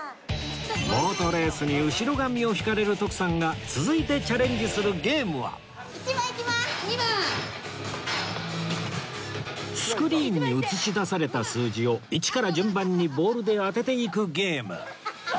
ボートレースに後ろ髪を引かれる徳さんがスクリーンに映し出された数字を１から順番にボールで当てていくゲーム